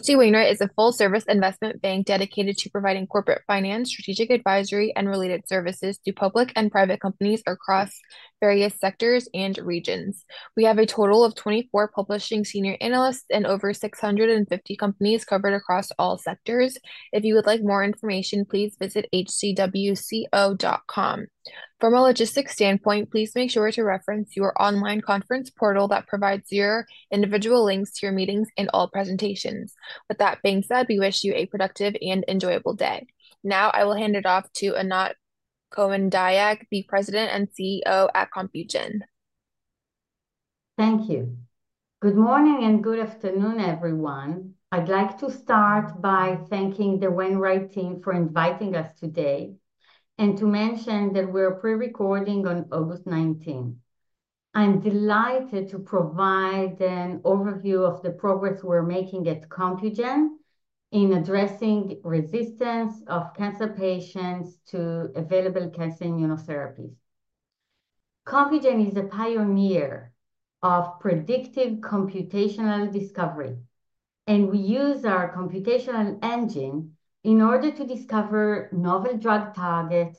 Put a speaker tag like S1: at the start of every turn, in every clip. S1: H.C. Wainwright is a full-service investment bank dedicated to providing corporate finance, strategic advisory, and related services to public and private companies across various sectors and regions. We have a total of 24 publishing senior analysts and over 650 companies covered across all sectors. If you would like more information, please visit hcwco.com. From a logistics standpoint, please make sure to reference your online conference portal that provides your individual links to your meetings and all presentations. With that being said, we wish you a productive and enjoyable day. Now, I will hand it off to Anat Cohen-Dayag, the President and CEO at Compugen.
S2: Thank you. Good morning and good afternoon, everyone. I'd like to start by thanking the Wainwright team for inviting us today, and to mention that we're pre-recording on August nineteenth. I'm delighted to provide an overview of the progress we're making at Compugen in addressing resistance of cancer patients to available cancer immunotherapies. Compugen is a pioneer of predictive computational discovery, and we use our computational engine in order to discover novel drug targets,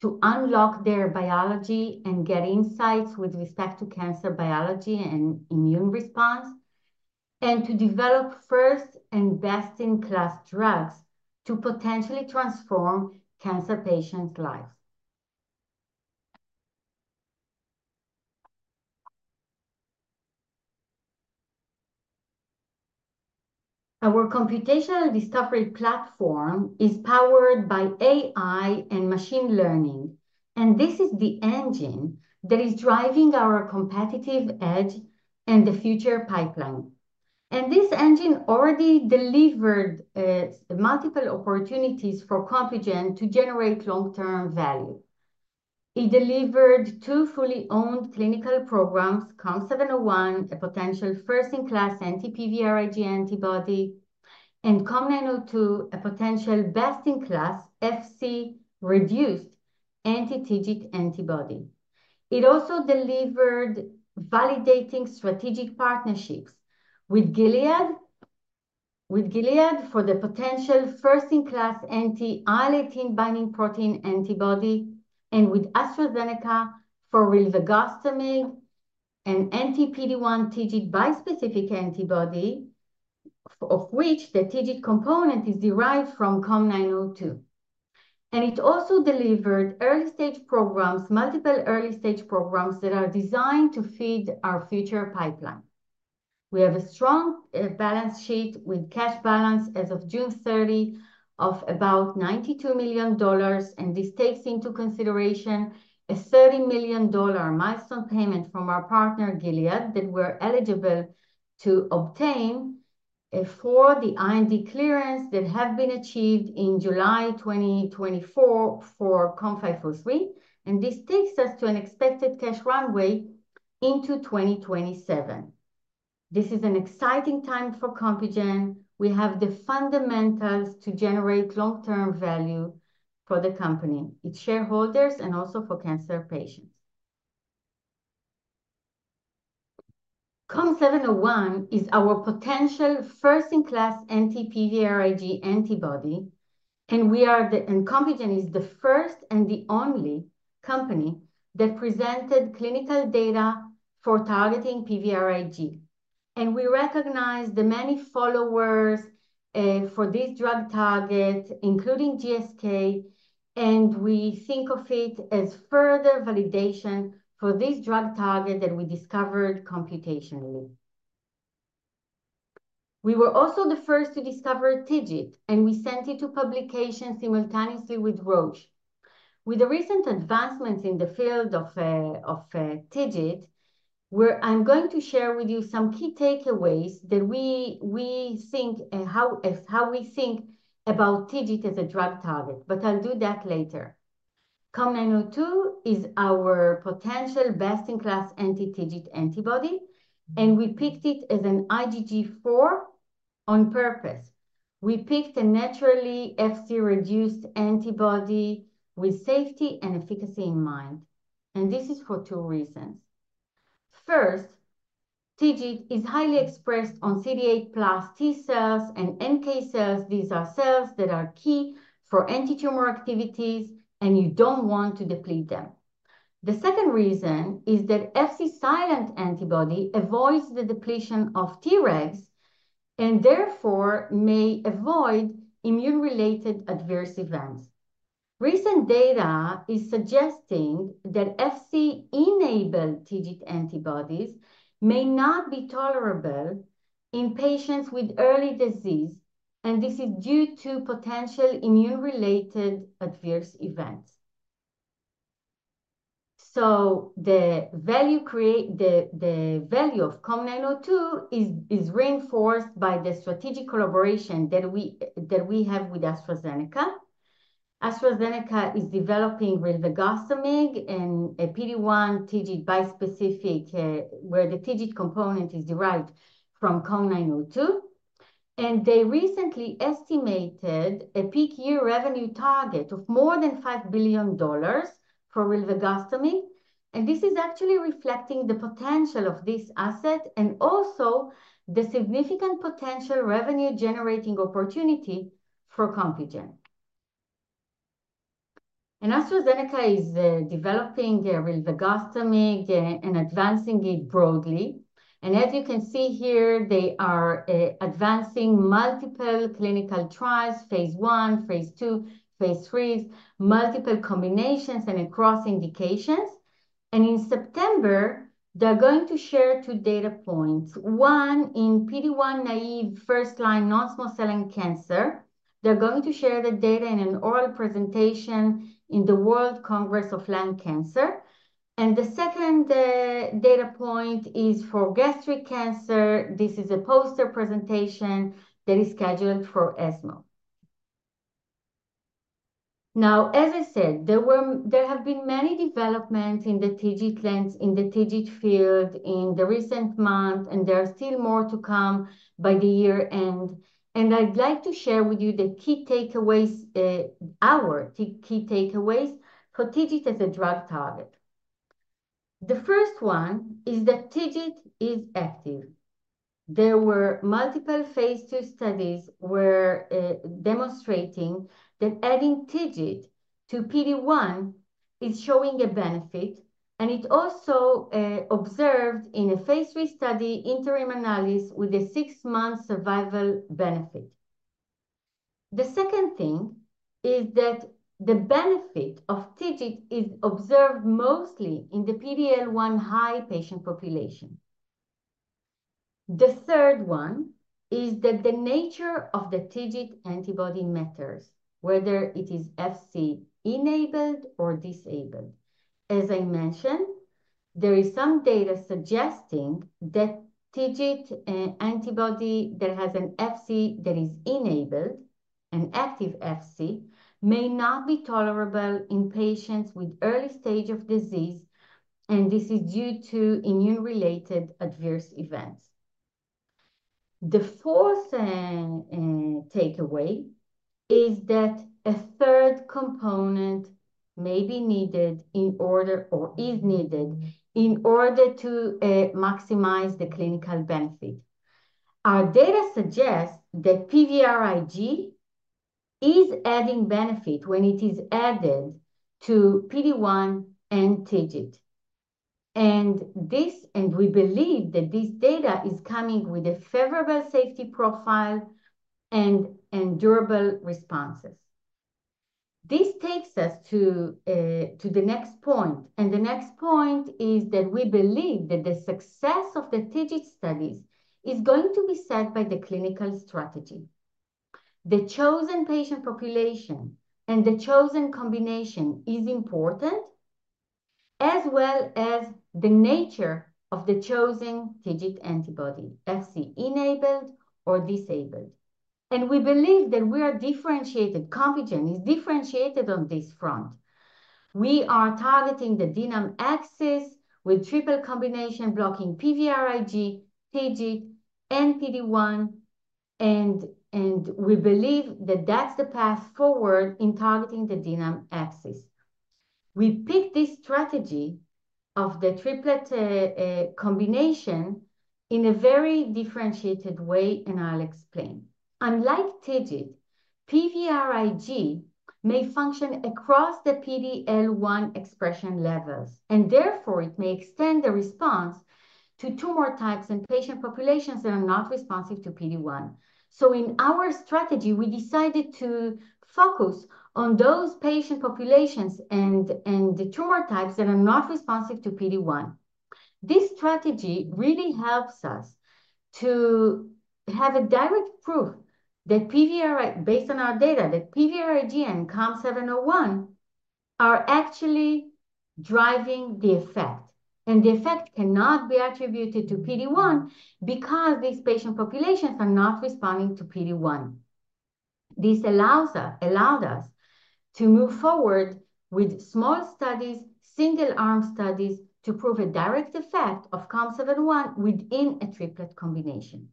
S2: to unlock their biology, and get insights with respect to cancer biology and immune response, and to develop first and best-in-class drugs to potentially transform cancer patients' lives. Our computational discovery platform is powered by AI and machine learning, and this is the engine that is driving our competitive edge and the future pipeline. And this engine already delivered multiple opportunities for Compugen to generate long-term value. It delivered two fully owned clinical programs, COM701, a potential first-in-class anti-PVRIG antibody, and COM902, a potential best-in-class Fc reduced anti-TIGIT antibody. It also delivered validating strategic partnerships with Gilead, with Gilead for the potential first-in-class anti-IL-18 binding protein antibody, and with AstraZeneca for rilvegostomig, an anti-PD-1 TIGIT bispecific antibody, of which the TIGIT component is derived from COM902. It also delivered early stage programs, multiple early stage programs that are designed to feed our future pipeline. We have a strong balance sheet with cash balance as of June 30 of about $92 million, and this takes into consideration a $30 million milestone payment from our partner, Gilead, that we're eligible to obtain for the IND clearance that have been achieved in July 2024 for COM503, and this takes us to an expected cash runway into 2027. This is an exciting time for Compugen. We have the fundamentals to generate long-term value for the company, its shareholders, and also for cancer patients. COM701 is our potential first-in-class anti-PVRIG antibody, and Compugen is the first and the only company that presented clinical data for targeting PVRIG. We recognize the many followers for this drug target, including GSK, and we think of it as further validation for this drug target that we discovered computationally. We were also the first to discover TIGIT, and we sent it to publication simultaneously with Roche. With the recent advancements in the field of TIGIT, I'm going to share with you some key takeaways that we think... how we think about TIGIT as a drug target, but I'll do that later. COM902 is our potential best-in-class anti-TIGIT antibody, and we picked it as an IgG4 on purpose. We picked a naturally Fc reduced antibody with safety and efficacy in mind, and this is for two reasons. First, TIGIT is highly expressed on CD8+ T cells and NK cells. These are cells that are key for anti-tumor activities, and you don't want to deplete them. The second reason is that Fc silent antibody avoids the depletion of Tregs, and therefore may avoid immune-related adverse events. Recent data is suggesting that Fc-enabled TIGIT antibodies may not be tolerable in patients with early disease, and this is due to potential immune-related adverse events. So the value of COM902 is reinforced by the strategic collaboration that we have with AstraZeneca. AstraZeneca is developing rilvegostomig and a PD-1 TIGIT bispecific, where the TIGIT component is derived from COM902, and they recently estimated a peak year revenue target of more than $5 billion for rilvegostomig, and this is actually reflecting the potential of this asset, and also the significant potential revenue-generating opportunity for Compugen. AstraZeneca is developing rilvegostomig and advancing it broadly. As you can see here, they are advancing multiple clinical trials, phase 1, phase 2, phase 3s, multiple combinations, and across indications. In September, they are going to share two data points, one in PD-1-naive first-line non-small cell lung cancer. They are going to share the data in an oral presentation in the World Congress of Lung Cancer. The second data point is for gastric cancer. This is a poster presentation that is scheduled for ESMO. Now, as I said, there were- there have been many developments in the TIGIT space, in the TIGIT field in recent months, and there are still more to come by year-end, and I'd like to share with you the key takeaways, our key takeaways for TIGIT as a drug target. The first one is that TIGIT is active. There were multiple phase 2 studies where demonstrating that adding TIGIT to PD-1 is showing a benefit, and it also observed in a phase 3 study interim analysis with a six-month survival benefit. The second thing is that the benefit of TIGIT is observed mostly in the PD-L1 high patient population. The third one is that the nature of the TIGIT antibody matters, whether it is Fc enabled or disabled. As I mentioned, there is some data suggesting that TIGIT antibody that has an Fc that is enabled, an active Fc, may not be tolerable in patients with early stage of disease, and this is due to immune-related adverse events. The fourth takeaway is that a third component may be needed in order or is needed in order to maximize the clinical benefit. Our data suggests that PVRIG is adding benefit when it is added to PD-1 and TIGIT, and this and we believe that this data is coming with a favorable safety profile and durable responses. This takes us to the next point, and the next point is that we believe that the success of the TIGIT studies is going to be set by the clinical strategy. The chosen patient population and the chosen combination is important, as well as the nature of the chosen TIGIT antibody, Fc enabled or disabled, and we believe that we are differentiated, Compugen is differentiated on this front. We are targeting the DNAM axis with triple combination blocking PVRIG, TIGIT, and PD-1, and we believe that that's the path forward in targeting the DNAM axis. We picked this strategy of the triplet combination in a very differentiated way, and I'll explain. Unlike TIGIT, PVRIG may function across the PD-L1 expression levels, and therefore, it may extend the response to tumor types in patient populations that are not responsive to PD-1, so in our strategy, we decided to focus on those patient populations and the tumor types that are not responsive to PD-1. This strategy really helps us to have a direct proof that PVR... Based on our data, that PVRIG and COM701 are actually driving the effect, and the effect cannot be attributed to PD-1, because these patient populations are not responding to PD-1. This allowed us to move forward with small studies, single-arm studies, to prove a direct effect of COM701 within a triplet combination.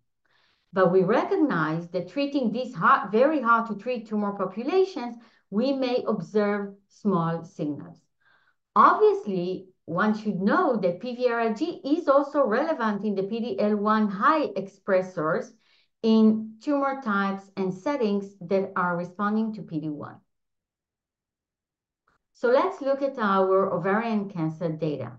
S2: But we recognize that treating these very hard-to-treat tumor populations, we may observe small signals. Obviously, one should know that PVRIG is also relevant in the PD-L1 high expressors in tumor types and settings that are responding to PD-1. So let's look at our ovarian cancer data.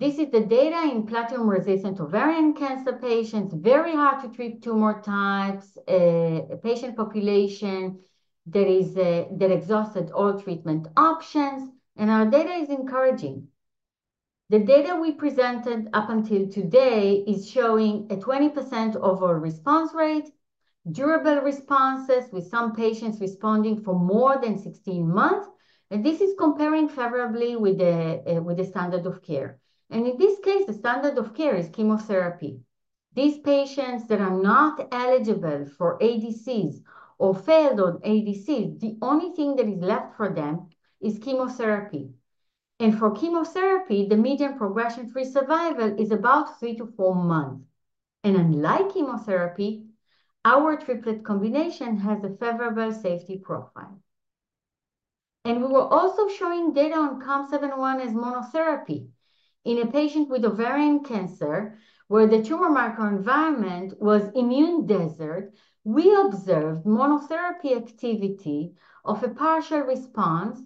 S2: This is the data in platinum-resistant ovarian cancer patients, very hard-to-treat tumor types, a patient population that exhausted all treatment options, and our data is encouraging. The data we presented up until today is showing a 20% overall response rate, durable responses, with some patients responding for more than 16 months, and this is comparing favorably with the with the standard of care, and in this case, the standard of care is chemotherapy. These patients that are not eligible for ADCs or failed on ADCs, the only thing that is left for them is chemotherapy. And for chemotherapy, the median progression-free survival is about 3 to 4 months. And unlike chemotherapy, our triplet combination has a favorable safety profile. And we were also showing data on COM701 as monotherapy. In a patient with ovarian cancer, where the tumor microenvironment was immune desert, we observed monotherapy activity of a partial response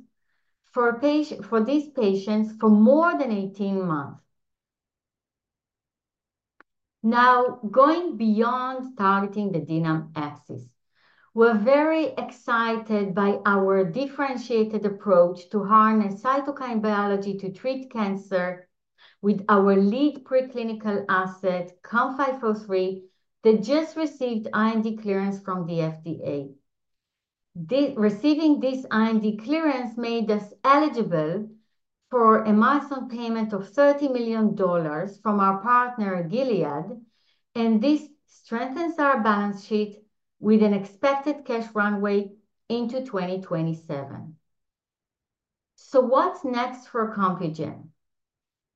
S2: for a patient, for these patients for more than 18 months. Now, going beyond targeting the DNAM axis, we're very excited by our differentiated approach to harness cytokine biology to treat cancer with our lead preclinical asset, COM503, that just received IND clearance from the FDA. Receiving this IND clearance made us eligible for a milestone payment of $30 million from our partner, Gilead, and this strengthens our balance sheet with an expected cash runway into 2027. So what's next for Compugen?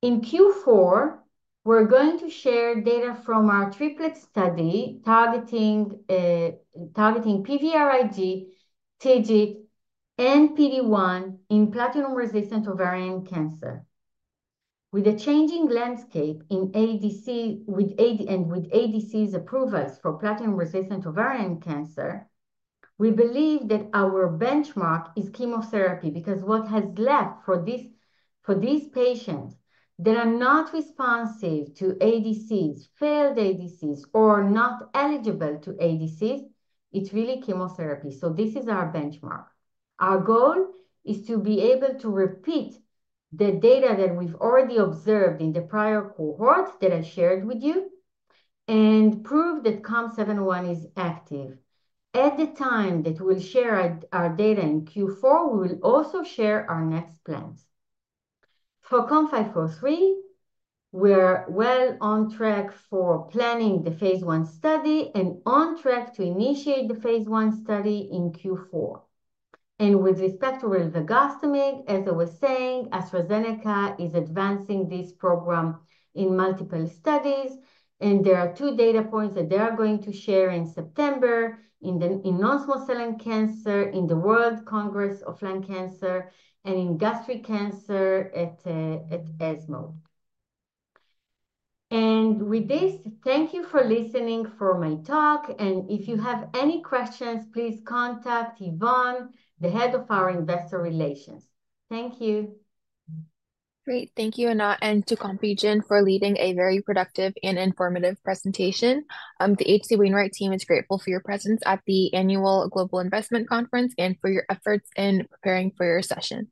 S2: In Q4, we're going to share data from our triplet study, targeting PVRIG, TIGIT, and PD-1 in platinum-resistant ovarian cancer. With the changing landscape in ADC, with AD, and with ADCs approvals for platinum-resistant ovarian cancer, we believe that our benchmark is chemotherapy, because what has left for this, for these patients that are not responsive to ADCs, failed ADCs, or are not eligible to ADCs, it's really chemotherapy. So this is our benchmark. Our goal is to be able to repeat the data that we've already observed in the prior cohort that I shared with you and prove that COM701 is active. At the time that we'll share our data in Q4, we will also share our next plans. For COM503, we're well on track for planning the phase I study and on track to initiate the phase I study in Q4. And with respect to rilvegostomig, as I was saying, AstraZeneca is advancing this program in multiple studies, and there are two data points that they are going to share in September in non-small cell lung cancer, in the World Congress of Lung Cancer, and in gastric cancer at ESMO. With this, thank you for listening for my talk, and if you have any questions, please contact Yvonne, the head of our investor relations. Thank you.
S1: Great. Thank you, Anat, and to Compugen for leading a very productive and informative presentation. The H.C. Wainwright team is grateful for your presence at the Annual Global Investment Conference and for your efforts in preparing for your session.